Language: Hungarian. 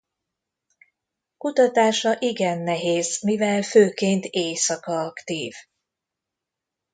Kutatása igen nehéz mivel főként éjszaka aktív.